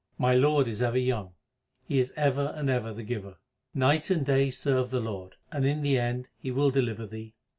My Lord is ever young ; He is ever and ever the Giver. Night and day serve the Lord, and in the end He will deliver thee.